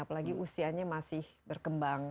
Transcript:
apalagi usianya masih berkembang